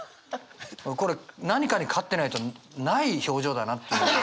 これ何かに勝ってないとない表情だな。